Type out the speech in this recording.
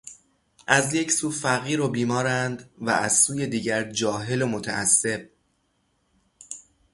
از یک سو فقیر و بیمارند و از سوی دیگر جاهل و متعصب.